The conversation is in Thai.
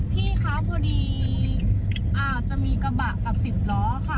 พี่คะพอดีจะมีกระบะกับ๑๐ล้อค่ะ